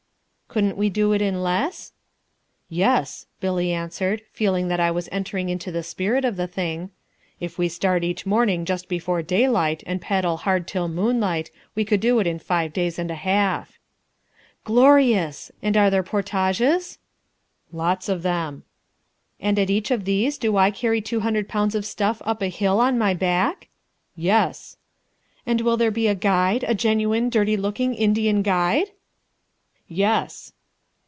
"Couldn't we do it in less?" "Yes," Billy answered, feeling that I was entering into the spirit of the thing, "if we start each morning just before daylight and paddle hard till moonlight, we could do it in five days and a half." "Glorious! and are there portages?" "Lots of them." "And at each of these do I carry two hundred pounds of stuff up a hill on my back?" "Yes." "And will there be a guide, a genuine, dirty looking Indian guide?" "Yes."